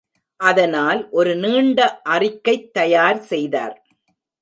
அதனால் ஒரு நீண்ட அறிக்கைத் தயார் செய்தார்.